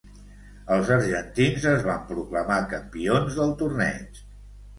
Els argentins es van proclamar campions del torneig.